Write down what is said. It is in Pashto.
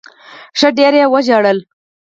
ښه ډېر وژړل.